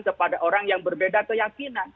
kepada orang yang berbeda keyakinan